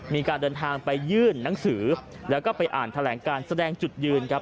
มีการเดินทางไปยื่นหนังสือแล้วก็ไปอ่านแถลงการแสดงจุดยืนครับ